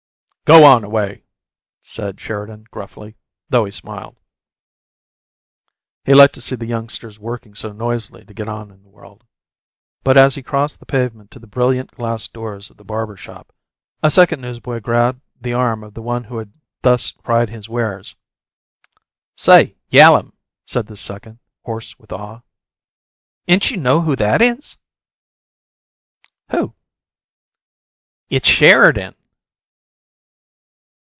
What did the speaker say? "Go on away!" said Sheridan, gruffly, though he smiled. He liked to see the youngsters working so noisily to get on in the world. But as he crossed the pavement to the brilliant glass doors of the barber shop, a second newsboy grasped the arm of the one who had thus cried his wares. "Say, Yallern," said this second, hoarse with awe, "'n't chew know who that IS?" "Who?" "It's SHERIDAN!"